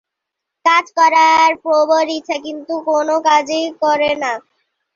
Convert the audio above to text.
কাজ করার প্রবল ইচ্ছা কিন্তু কোন কাজই করে না।